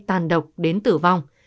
tàn độc đến tử vong